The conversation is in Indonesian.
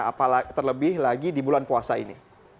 apa terlebih lagi di bulan puasa ini